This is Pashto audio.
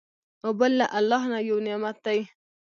اوبه له الله نه یو نعمت دی.